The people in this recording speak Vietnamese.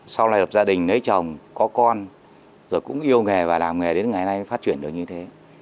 sau này lập gia đình lấy chồng có con rồi cũng yêu nghề và làm nghề đến ngày nay mới phát triển được như thế